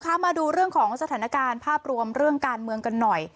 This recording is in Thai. มาดูเรื่องของสถานการณ์ภาพรวมเรื่องการเมืองกันหน่อย